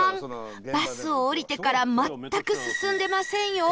バスを降りてから全く進んでませんよ